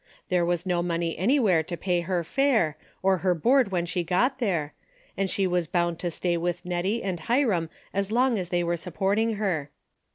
There was no money anywhere to pay her fare, or her board when she got there, and she was bound to stay with Hettie and Hiram as long as they were supporting her.